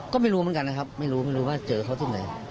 ก็ไม่รู้เหมือนกันนะครับไม่รู้ไม่รู้ว่าเจอเขาที่ไหน